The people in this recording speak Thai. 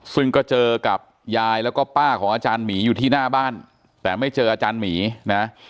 ซึ่งก็เจอกับยายแล้วก็ป้าของอาจารย์หมีอยู่ที่หน้าบ้านแต่ไม่เจออาจารย์หมีนะ